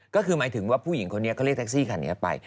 ก็คือหมายถึงว่าผู้หญิงคนนี้เขาเรียกแท็กซี่คันนี้ไป